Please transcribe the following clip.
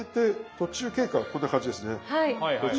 途中経過はこんな感じ。